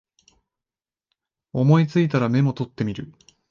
思いついたらメモ取ってみる